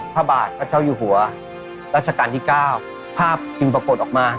พระบาทพระเจ้าอยู่หัวรัชกาลที่๙ภาพจึงปรากฏออกมา